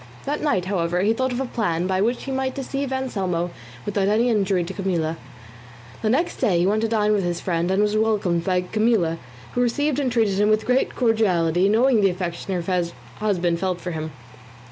That night, however, he thought of a plan by which he might deceive Anselmo without any injury to Camilla. The next day he went to dine with his friend, and was welcomed by Camilla, who received and treated him with great cordiality, knowing the affection her husband felt for him.